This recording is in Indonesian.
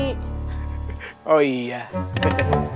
gak ada komunikasi